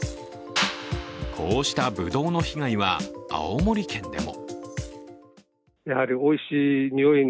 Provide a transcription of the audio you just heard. こうしたぶどうの被害は青森県でも。